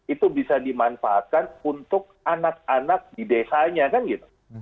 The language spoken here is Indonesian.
itu bisa dimanfaatkan untuk anak anak di desanya kan gitu